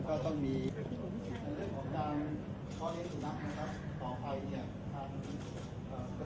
แล้วก็ต้องมีของด้านข้อเลี้ยงสุนัขนะครับต่อไปเนี่ยครับ